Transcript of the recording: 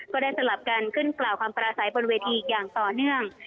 สลับกันขึ้นกล่าวความปราศัยบนเวทีอย่างต่อเนื่อง